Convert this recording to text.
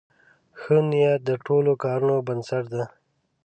ښه نیت د ټولو کارونو بنسټ دی.